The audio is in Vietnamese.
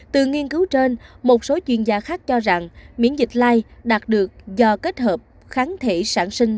từ nghiên cứu trên một số chuyên gia khác cho rằng miễn dịch lai đạt được do kết hợp kháng thể sản sinh